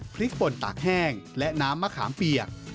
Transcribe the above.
พริกป่นตากแห้งและน้ำมะขามเปียก